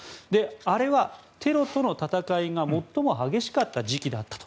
あれはテロとの戦いが最も激しかった時期だったと。